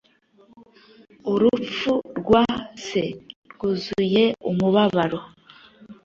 Urupfu rwa se rwuzuye umubabaro.